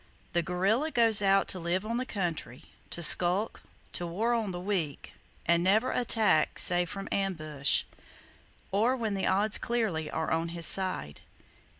The guerrilla goes out to live on the country, to skulk, to war on the weak, and never attack save from ambush, or when the odds clearly are on his side.